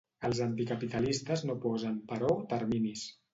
Els anticapitalistes no posen, però, terminis.